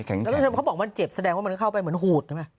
เขาบอกว่ามันเจ็บแสดงว่ามันเข้าไปเหมือนหูด